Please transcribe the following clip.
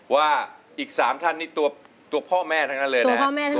ว่าอีก๓ท่านนี่ตัวพ่อแม่ทั้งนั้นเลยนะครับ